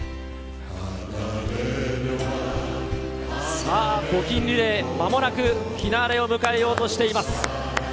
さあ、募金リレー、まもなくフィナーレを迎えようとしています。